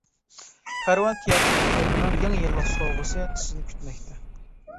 كارۋان تىياتىر كۇلۇبىنىڭ يېڭى يىللىق سوۋغىسى سىزنى كۈتمەكتە.